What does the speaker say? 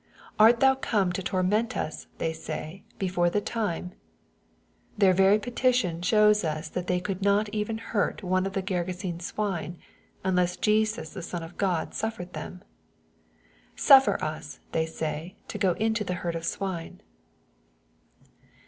" Art thou come to torment us," they say, " before the time ?" Their very petition shows us that they could not even hurt one of the Grergesene swine, unless Jesus the Son of Gk)d suf fered them. " Suffer us," they say," to go into the herd of swine."